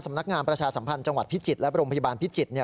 นักงานประชาสัมพันธ์จังหวัดพิจิตรและโรงพยาบาลพิจิตร